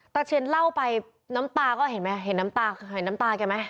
เชียนเล่าไปน้ำตาก็เห็นไหมเห็นน้ำตาเห็นน้ำตาแกไหม